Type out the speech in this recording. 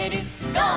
「ゴー！